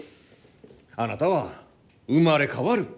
あなたは生まれ変わる！